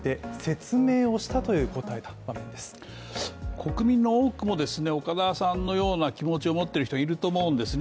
国民の多くも岡田さんのような気持ちを持っている人がいると思うんですね。